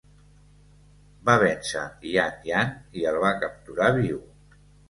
Va vèncer Yan Yan i el va capturar viu.